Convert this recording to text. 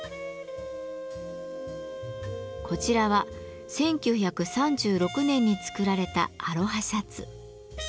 こちらは１９３６年に作られたアロハシャツ。